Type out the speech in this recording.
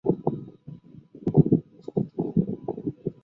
满洲平腹蛛为平腹蛛科平腹蛛属的动物。